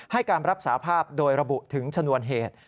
ให้การรับสาภาพโดยระบุถึงชนวนเหตุ